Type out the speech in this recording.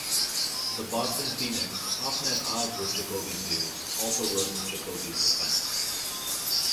"The Boston Phoenix", often at odds with Jacoby's views, also rose to Jacoby's defense.